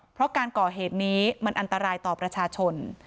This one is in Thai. เพราะการก่อเหตุนี้มันอันตรายต่อประชาชน